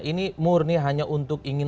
ini murni hanya untuk ingin